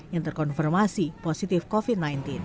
yang terkonfirmasi positif covid sembilan belas